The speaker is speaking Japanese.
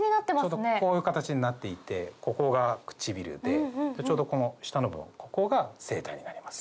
ちょうどこういう形になっていてここが唇でちょうどこの下の部分ここが声帯になります。